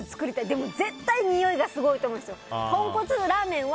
でも、絶対においがすごいと思うんですよ。